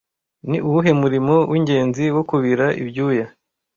Ni uwuhe murimo w'ingenzi wo kubira ibyuya